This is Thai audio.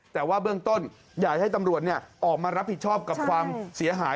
แต่ว่าเบื้องต้นอยากให้ตำรวจออกมารับผิดชอบกับความเสียหาย